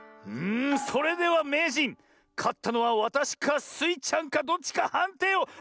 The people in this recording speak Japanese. んそれではめいじんかったのはわたしかスイちゃんかどっちかはんていを！